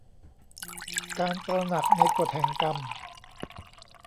การตระหนักในกฎแห่งกรรม